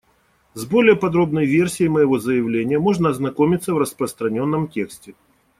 С более подробной версией моего заявления можно ознакомиться в распространенном тексте.